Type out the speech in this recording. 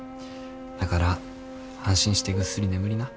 だから安心してぐっすり眠りな。